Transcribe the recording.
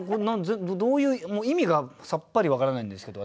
どういう意味がさっぱり分からないんですけど